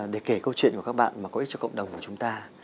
để kể câu chuyện của các bạn mà có ích cho cộng đồng của chúng ta